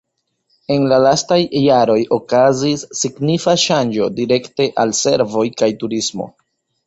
En la lastaj jaroj okazis signifa ŝanĝo direkte al servoj kaj turismo.